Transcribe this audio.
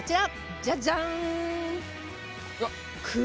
じゃじゃーん！